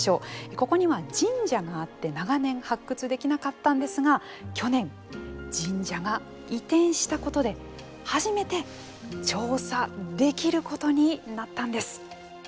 ここには神社があって長年、発掘できなかったんですが去年、神社が移転したことで初めて調査できることになったんです。